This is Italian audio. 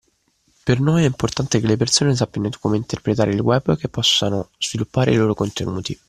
Per noi è importante che le persone sappiano come interpretare il web, che possano sviluppare i loro contenuti